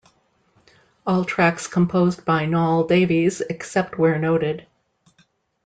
All tracks composed by Neol Davies except where noted.